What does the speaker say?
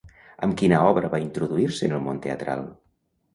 Amb quina obra va introduir-se en el món teatral?